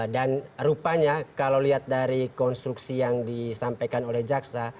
dan rupanya kalau lihat dari konstruksi yang disampaikan oleh jaxa